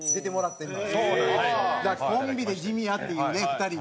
だからコンビで地味やっていうね２人にね。